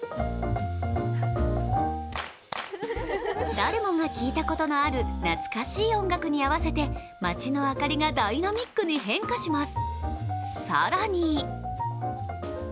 誰もが聴いたことのある懐かしい音楽に合わせて街の明かりがダイナミックに変化します。